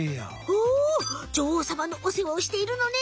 お女王さまのお世話をしているのね！